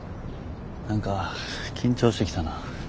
何か緊張してきたな。